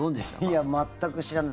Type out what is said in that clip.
いや全く知らない。